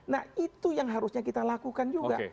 nah itu yang harusnya kita lakukan juga